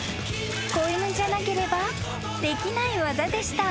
［子犬じゃなければできない技でした］